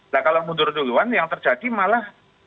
nah kalau mundur duluan yang terjadi malah